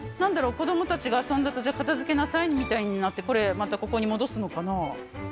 子どもたちが遊んで、じゃあ片づけなさいみたいになって、これ、またここに戻すのかな。